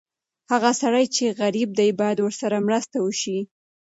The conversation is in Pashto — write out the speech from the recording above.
هغه سړی چې غریب دی، باید ورسره مرسته وشي.